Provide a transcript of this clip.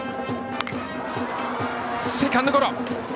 セカンドゴロ。